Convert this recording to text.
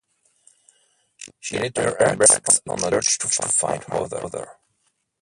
She later embarks on a search to find her mother.